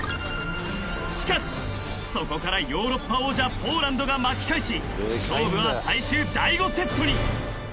［しかしそこからヨーロッパ王者ポーランドが巻き返し勝負は最終第５セットに］